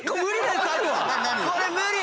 これ無理！